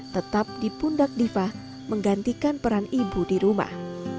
tetap dipundak diva menggantikan peran ibu di rumah